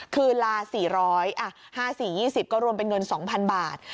คือลา๔๐๕๔๒๐ก็รวมเป็นเงิน๒๐๐๐บาท